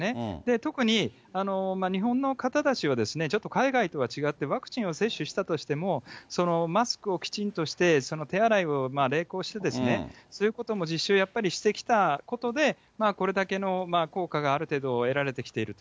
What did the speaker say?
特に日本の方たちはですね、ちょっと海外とは違って、ワクチンを接種したとしてもマスクをきちんとして、その手洗いを励行して、そういうことも実施をやっぱりしてきたことでこれだけの効果が、ある程度得られてきていると。